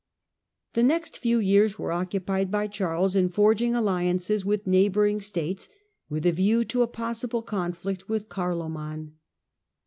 v/The next few years were occupied by Charles in forg ng alliances with neighbouring states, with a view to a Dossible conflict with Carloman.